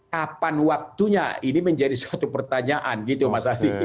kapan waktunya ini menjadi suatu pertanyaan gitu mas adi